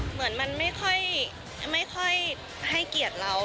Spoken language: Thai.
เหมือนมันไม่ค่อยให้เกียรติเรา